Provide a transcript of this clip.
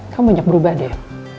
kamu banyak berubah deh